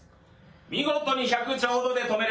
見事に１００ちょうどです。